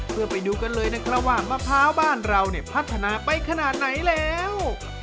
เพื่อไปดูกันเลยนะครับว่ามะพร้าวบ้านเราเนี่ยพัฒนาไปขนาดไหนแล้ว